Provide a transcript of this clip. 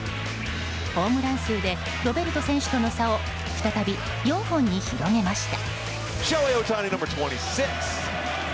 ホームラン数でロベルト選手との差を再び４本に広げました。